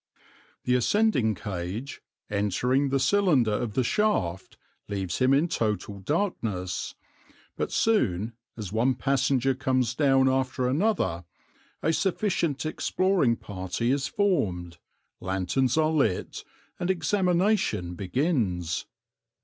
The ascending cage, entering the cylinder of the shaft, leaves him in total darkness, but soon, as one passenger comes down after another, a sufficient exploring party is formed, lanterns are lit, and examination begins.